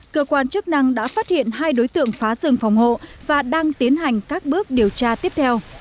cơ quan chức năng đã phát hiện hai đối tượng phá rừng phòng hộ và đang tiến hành các bước điều tra tiếp theo